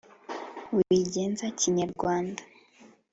wigenza kinyarwanda